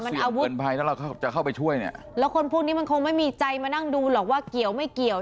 มันอาวุธเกินภัยถ้าเราจะเข้าไปช่วยเนี่ยแล้วคนพวกนี้มันคงไม่มีใจมานั่งดูหรอกว่าเกี่ยวไม่เกี่ยว